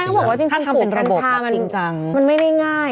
ใช่เขาบอกว่าจริงทำเป็นระบบจริงมันไม่ได้ง่าย